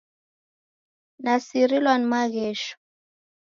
Nasirilwa ni maghesho.